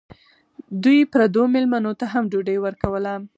دوی پردو مېلمنو ته هم ډوډۍ ورکوله.